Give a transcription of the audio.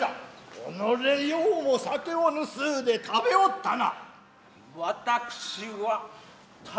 おのれようも酒を盗うで食べおったな。